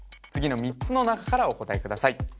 次の３つの中からお答えください